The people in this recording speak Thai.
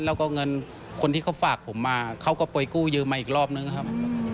แล้วก็เงินคนที่เขาฝากผมมาเขาก็ไปกู้ยืมมาอีกรอบนึงครับ